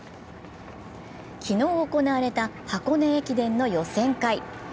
昨日行われた箱根駅伝の予選会。